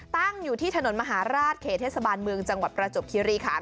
ตั้งอยู่ที่ถนนมหาราชเขตเทศบาลเมืองจังหวัดประจบคิริขัน